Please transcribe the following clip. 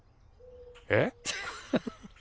えっ？